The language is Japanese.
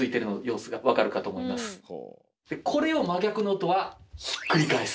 これを「真逆の音」はひっくり返す。